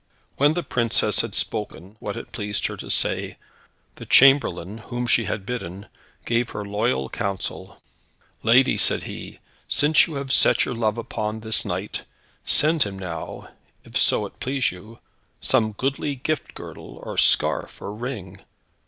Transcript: When the princess had spoken what it pleased her to say, the chamberlain, whom she had bidden, gave her loyal counsel. "Lady," said he, "since you have set your love upon this knight, send him now if so it please you some goodly gift girdle or scarf or ring.